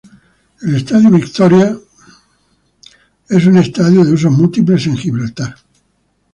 Victoria Stadium es un estadio de usos múltiples en Gibraltar.